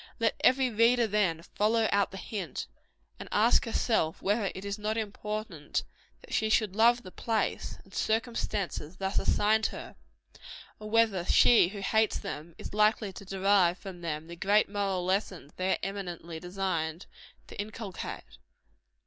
Let every reader, then, follow out the hint, and ask herself whether it is not important that she should love the place and circumstances thus assigned her; and whether she who hates them, is likely to derive from them the great moral lessons they are eminently designed to inculcate.